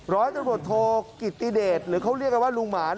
ร้อยตำรวจโทกิติเดชหรือเขาเรียกกันว่าลุงหมาน